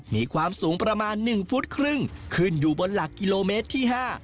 มีความสูงประมาณ๑ฟุตครึ่งขึ้นอยู่บนหลักกิโลเมตรที่๕